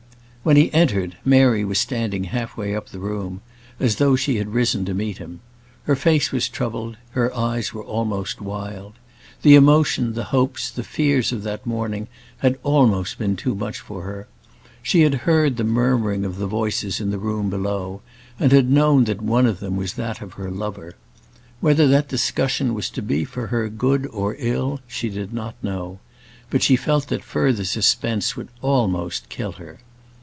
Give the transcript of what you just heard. When he entered, Mary was standing half way up the room, as though she had risen to meet him. Her face was troubled, and her eyes were almost wild. The emotion, the hopes, the fears of that morning had almost been too much for her. She had heard the murmuring of the voices in the room below, and had known that one of them was that of her lover. Whether that discussion was to be for her good or ill she did not know; but she felt that further suspense would almost kill her.